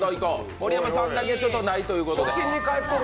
盛山さんだけないということで。